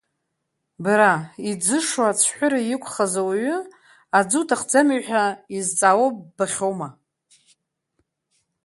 Бара, иӡышо ацәҳәыра иқәхаз ауаҩы, аӡы уҭахӡами ҳәа изҵаауа ббахьоума?!